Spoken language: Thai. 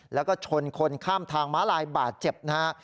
แล้วก็ชนคนข้ามทางม้าลายบาดเจ็บนะฮะ